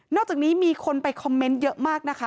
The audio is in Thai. อกจากนี้มีคนไปคอมเมนต์เยอะมากนะคะ